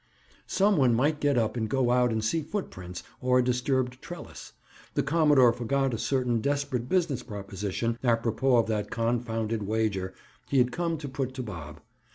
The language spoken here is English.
Some one might get up and go out and see footprints, or a disturbed trellis. The commodore forgot a certain desperate business proposition, apropos of that confounded wager, he had come to put to Bob.